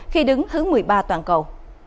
khi đứng thứ một mươi ba toàn cầu